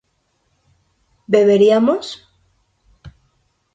¿beberíamos?